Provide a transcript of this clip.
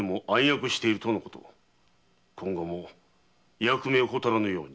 今後も役目怠らぬように。